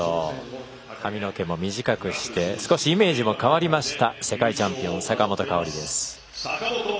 髪の毛も短くして少しイメージも変わりました世界チャンピオンの坂本花織です。